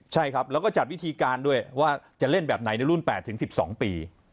ใช่ครับแล้วก็จัดวิธีการด้วยว่าจะเล่นแบบไหนในรุ่น๘๑๒ปี